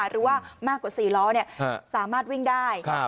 ค่ะหรือว่ามากกว่าสี่ล้อเนี่ยฮ่ะสามารถวิ่งได้ครับ